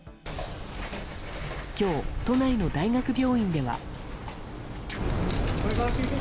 今日、都内の大学病院では。